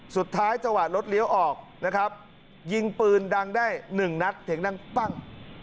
สุดท้ายจังหวะรถเลี้ยวออกนะครับยิงปืนดังได้หนึ่งนักถึงนั่งปั้ง